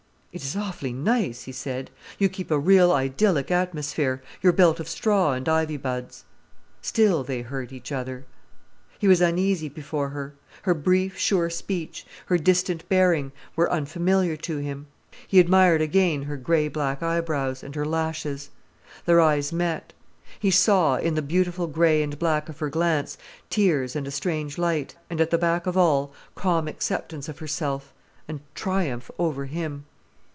"It is awfully nice," he said. "You keep a real idyllic atmosphere—your belt of straw and ivy buds." Still they hurt each other. He was uneasy before her. Her brief, sure speech, her distant bearing, were unfamiliar to him. He admired again her grey black eyebrows, and her lashes. Their eyes met. He saw, in the beautiful grey and black of her glance, tears and a strange light, and at the back of all, calm acceptance of herself, and triumph over him.